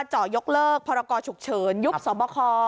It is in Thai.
เจาะยกเลิกพรกรฉุกเฉินยุบสบค